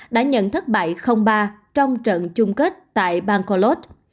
đã nhận thất bại ba trong trận chung kết tại bangkolot